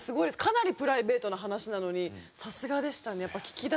かなりプライベートな話なのにさすがでしたね。